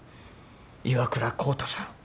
岩倉浩太さん